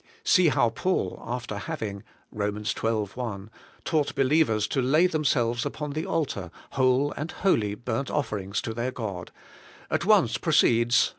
See how Paul, after having {Eom, xii. 1) taught believers to lay themselves upon the altar, whole and holy burnt offerings to their God, at once proceeds {ver.